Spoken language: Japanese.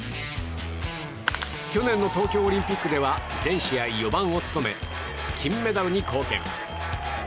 去年の東京オリンピックでは全試合４番を務め金メダルに貢献。